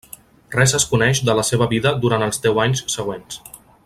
Res es coneix de la seva vida durant els deu anys següents.